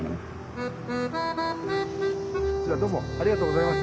じゃあどうもありがとうございます。